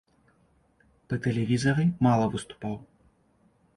Па тэлевізары мала выступаў.